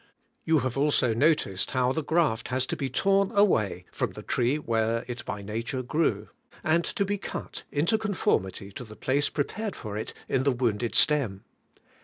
You have also noticed how the graft has to be torn away from the tree where it by nature grew, and to be cut into conformity to the place prepared for it in the wounded stem.